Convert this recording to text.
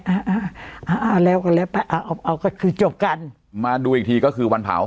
อ่าอ่าอ่าแล้วก็แล้วไปเอาเอาก็คือจบกันมาดูอีกทีก็คือวันเผา